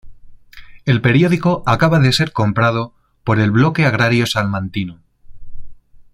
El periódico acababa de ser comprado por el Bloque Agrario Salmantino.